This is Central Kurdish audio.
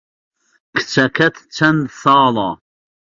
کچەکەت چەند ساڵە؟